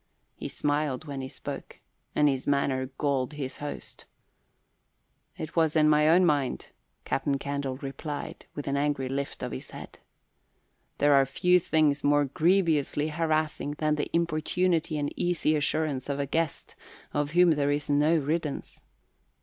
He smiled when he spoke and his manner galled his host. "It was in my own mind," Captain Candle replied, with an angry lift of his head. There are few things more grievously harassing than the importunity and easy assurance of a guest of whom there is no riddance.